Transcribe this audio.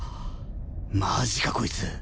マジかこいつ。